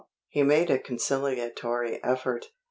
He made a conciliatory effort.